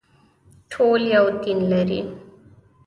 ټول یو دین لري